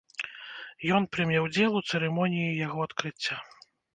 Ён прыме ўдзел у цырымоніі яго адкрыцця.